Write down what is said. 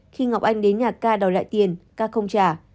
khi ngọc anh đến nhà ca đòi lại tiền ca không trả